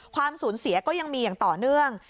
ความสูญเสียก็ยังมีอย่างต่อเนื่อง